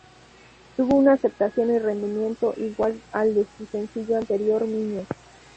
Tuvo una aceptación y rendimiento igual al de su sencillo anterior Miño.